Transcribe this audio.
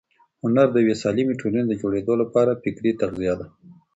هنر د یوې سالمې ټولنې د جوړېدو لپاره فکري تغذیه ده.